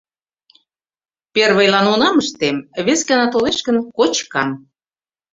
— Первыйлан унам ыштем, вес гана толеш гын, кочкам.